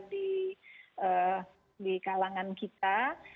beredar di kalangan kita